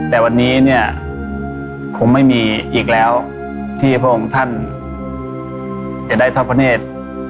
แต่วันนี้เนี่ยคงไม่มีอีกแล้วที่พระองค์ท่านจะได้เท่าพระเนธ